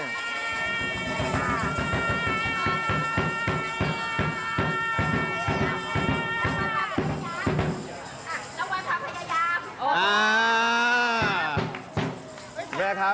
รวมวันพระพยายาม